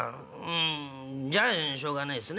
んじゃあしょうがないっすね。